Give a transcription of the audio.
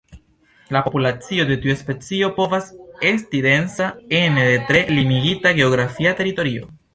La populacio de tiu specio povas esti densa ene de tre limigita geografia teritorio.